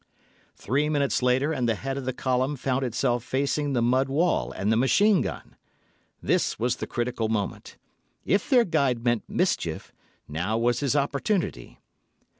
Three minutes later, and the head of the column found itself facing the mud wall and the machine gun. This was the critical moment. If their guide meant mischief, now was his opportunity.